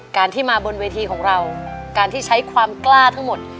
การที่มาบนเวทีของเราการที่ใช้ความกล้าทั้งหมด